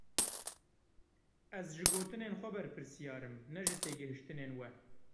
Ez ji gotinên xwe berpirsyar im, ne ji têgihiştinên we.